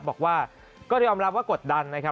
บอกว่าก็ยอมรับว่ากดดันนะครับ